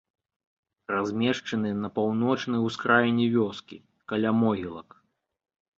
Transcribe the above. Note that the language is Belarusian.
Размешчаны на паўночнай ускраіне вёскі, каля могілак.